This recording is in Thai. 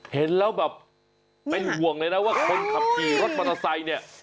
เห็นแล้วแบบเป็นห่วงเลยนะว่าคนขับขี่รถมอเตอร์ไซค์เนี่ย